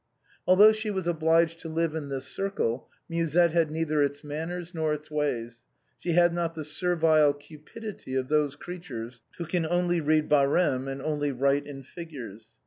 Altliough she was obliged to live in this circle Musette had neither its man ners nor its ways, she had not the servile cupidity of those creatures who can only read Barème and only write in figures.